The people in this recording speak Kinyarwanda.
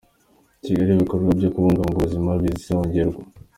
Kigali Ibikorwa byo kubungabunga ubuzima bizongerwa